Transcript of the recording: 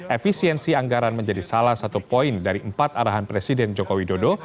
efisiensi anggaran menjadi salah satu poin dari empat arahan presiden joko widodo